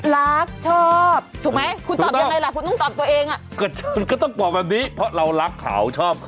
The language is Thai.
รักชอบถูกไหมคุณตอบอย่างไรล่ะคุณต้องตอบตัวเองอ่ะก็เกือบคือก็ต้อง